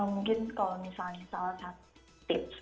mungkin kalau misalnya salah satu tips